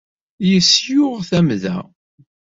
Yesluɣ tamda.